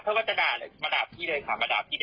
พูดตรงนะวันเรียนอย่างวันนี้